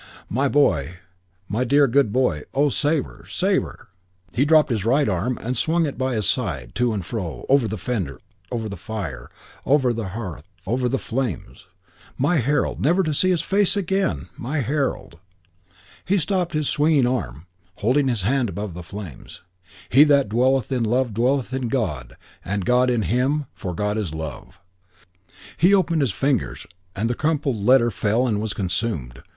"My boy. My dear, good boy. Oh, Sabre, Sabre!" He dropped his right arm and swung it by his side; to and fro; over the fender over the fire; over the hearth over the flames. "My Harold. Never to see his face again! My Harold." He stopped his swinging arm, holding his hand above the flames. "He that dwelleth in love dwelleth in God and God in him; for God is love." He opened his fingers, and the crumpled letter fell and was consumed.